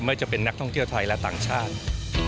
ไม่จะเป็นนักท่องเที่ยวไทยและต่างชาติ